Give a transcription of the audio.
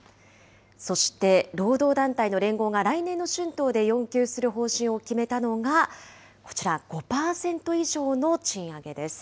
そして労働団体の連合が、来年の春闘で要求する方針を決めたのがこちら、５％以上の賃上げです。